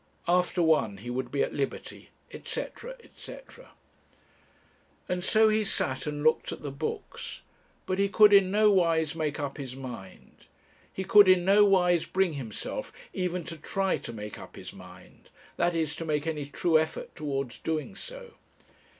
After one he would be at liberty, &c., &c. And so he sat and looked at the books; but he could in nowise make up his mind. He could in nowise bring himself even to try to make up his mind that is, to make any true effort towards doing so.